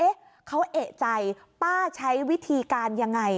เขาเอกใจป้าใช้วิธีการยังไง